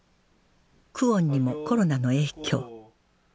「久遠」にもコロナの影響